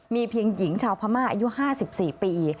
มีเพียงหญิงชาวพม่าอายุ๕๔ปี